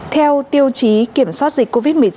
theo tiêu chí kiểm soát dịch covid một mươi chín